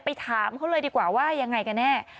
ถามเขาเลยดีกว่าว่ายังไงกันแน่